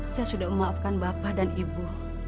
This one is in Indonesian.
saya sudah memaafkan bapak dan ibu